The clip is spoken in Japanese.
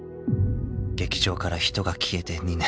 ［劇場から人が消えて２年］